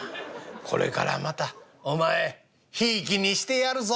これからまたお前贔屓にしてやるぞ」。